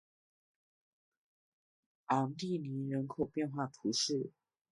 昂蒂尼人口变化图示